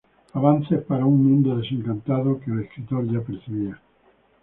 Avances para un mundo desencantado que el escritor ya percibía.